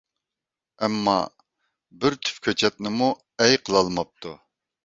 ئەمما بىر تۈپ كۆچەتنىمۇ ئەي قىلالماپتۇ.